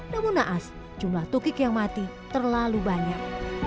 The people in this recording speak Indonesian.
namun naas jumlah tukik yang mati terlalu banyak